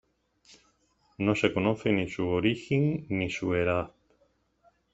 No se conoce ni su origin, ni su edad.